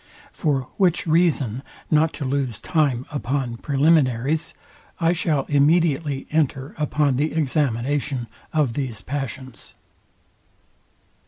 For which reason, not to lose time upon preliminaries, I shall immediately enter upon the examination of these passions.